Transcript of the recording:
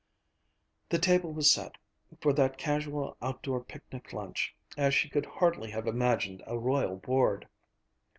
The table was set, for that casual outdoor picnic lunch, as she could hardly have imagined a royal board.